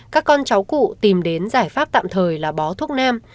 các con cháu cụ tìm đến giải pháp tạm thời là bó thuốc nam